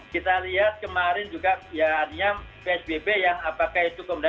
kita lihat kemarin juga psbb yang pakai cukup